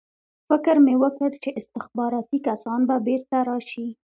فکر مې وکړ چې استخباراتي کسان به بېرته راشي